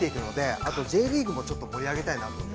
あと、Ｊリーグもちょっと盛り上げたいなと思って。